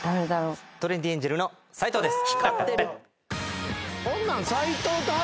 トレンディエンジェルの斎藤です。